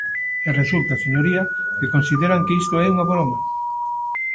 E resulta, señoría, que consideran que isto é unha broma.